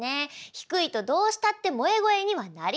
低いとどうしたって萌え声にはなりません。